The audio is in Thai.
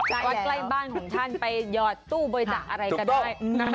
วัดใกล้บ้านของท่านไปหยอดตู้บริจาคอะไรก็ได้